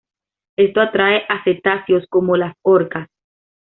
Esto atrae a cetáceos como las orcas.